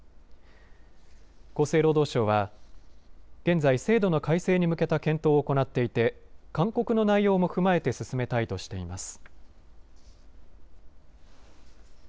厚生労働省は現在、制度の改正に向けた検討を行っていて、勧告の内容も踏まえて進めたいとしています。